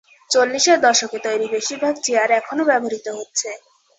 চল্লিশের দশকে তৈরি বেশিরভাগ চেয়ার এখনো ব্যবহৃত হচ্ছে।